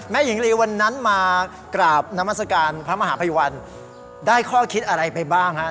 หญิงลีวันนั้นมากราบนามัศกาลพระมหาภัยวันได้ข้อคิดอะไรไปบ้างฮะ